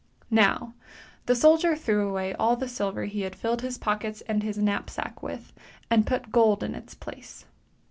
Now the soldier threw away all the silver he had filled his pockets and his knapsack with, and put gold in its place.